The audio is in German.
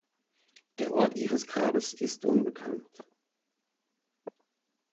Der Ort ihres Grabes ist unbekannt.